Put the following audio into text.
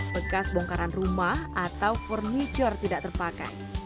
bekas bongkaran rumah atau furniture tidak terpakai